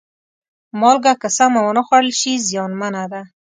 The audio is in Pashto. مالګه که سمه ونه خوړل شي، زیانمنه ده.